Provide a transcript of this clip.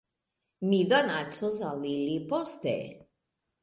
Mi donacos al ili poste